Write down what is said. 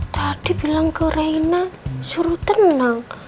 tadi bilang ke reina suruh tenang